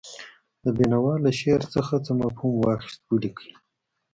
د بېنوا له شعر څخه څه مفهوم واخیست ولیکئ.